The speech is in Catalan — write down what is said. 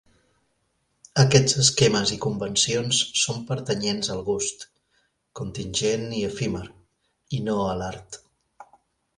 Aquests esquemes i convencions són pertanyents al gust, contingent i efímer, i no a l'art.